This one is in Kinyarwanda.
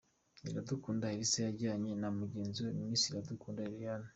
Iradukunda Elsa yajyanye na mugenzi we Miss Iradukunda Liliane.